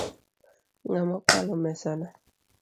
Ng'a mokwalo mesana?